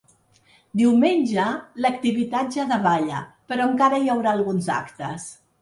Diumenge, l’activitat ja davalla, però encara hi haurà alguns actes.